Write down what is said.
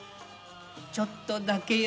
ちょっとだけよ。